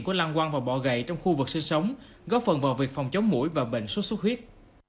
của lăng quăng và bọ gậy trong khu vực sinh sống góp phần vào việc phòng chống mũi và bệnh suốt suốt huyết